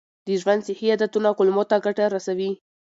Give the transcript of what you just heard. د ژوند صحي عادتونه کولمو ته ګټه رسوي.